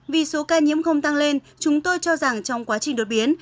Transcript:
vì số ca nhiễm không tăng lên chúng tôi cho rằng trong quá trình đột biến